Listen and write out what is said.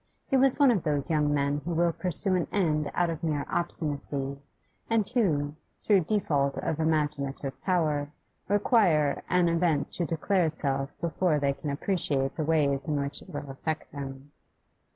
He was one of those young men who will pursue an end out of mere obstinacy, and who, through default of imaginative power, require an event to declare itself before they can appreciate the ways in which it will affect them.